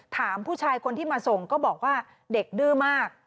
ถามผู้ชายคนที่มาส่งก็บอกว่าเด็กดื้อมาก